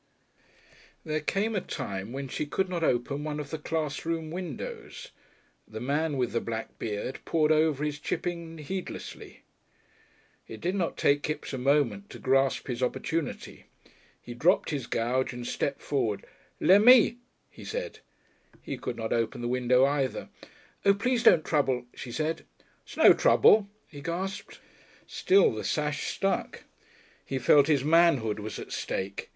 §3 There came a time when she could not open one of the class room windows. The man with the black beard pored over his chipping heedlessly.... It did not take Kipps a moment to grasp his opportunity. He dropped his gouge and stepped forward. "Lem me," he said.... He could not open the window either! "Oh, please don't trouble," she said. "'Sno trouble," he gasped. Still the sash stuck. He felt his manhood was at stake.